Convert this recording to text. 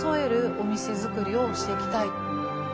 お店づくりをしていきたい。